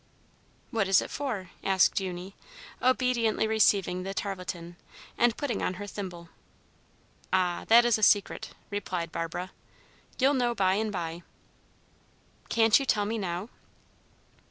"What is it for?" asked Eunie, obediently receiving the tarlatan, and putting on her thimble. "Ah, that is a secret," replied Barbara. "You'll know by and by." "Can't you tell me now?"